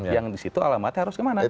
yang di situ alamatnya harus kemana